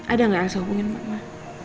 ada gak elsa hubungin mama